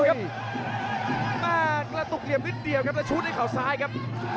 กระตุกเหลี่ยมนิดเดียวครับแล้วชู้ด้วยเขาซ้ายครับ